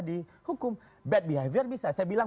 dihukum bad behavior bisa saya bilang